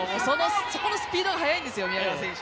そこのスピードが速いんですよ宮川選手。